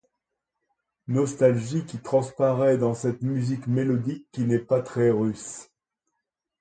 Nostalgie qui transparaît dans cette musique mélodique qui n'est pas très russe.